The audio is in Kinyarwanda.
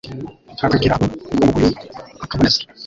akagira ako kumbuguyu akaboneza